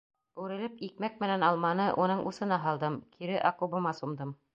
Үрелеп икмәк менән алманы уның усына һалдым, кире окобыма сумдым.